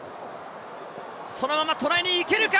そのままトライに行けるか。